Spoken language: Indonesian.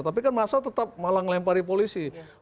tapi kan masa tetap malah ngelempari polisi